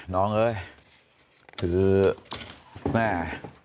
น้องเอ้ยถือแม่